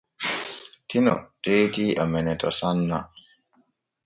Tino teeti amene to sanna.